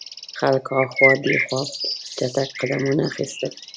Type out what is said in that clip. خلکو هاخوا دیخوا چټګ قدمونه اخیستل.